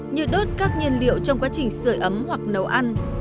như đốt các nhiên liệu trong quá trình sửa ấm hoặc nấu ăn